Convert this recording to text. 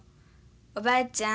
おばあちゃん